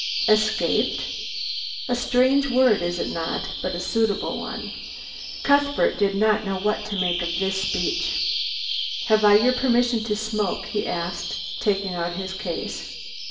"Escaped?" "A strange word is it not, but a suitable one." Cuthbert did not know what to make of this speech. "Have I your permission to smoke?" he asked, taking out his case.